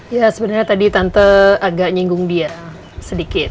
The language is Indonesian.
ya sebenarnya tadi tante agak nyinggung dia sedikit